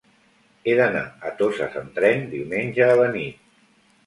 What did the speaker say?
He d'anar a Toses amb tren diumenge a la nit.